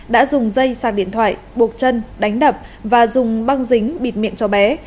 đã dùng dây sang điện thoại buộc chân đánh đập và dùng băng dính bịt miệng cháu bé